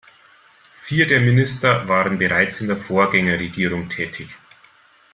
Vier der Minister waren bereits in der Vorgängerregierung tätig.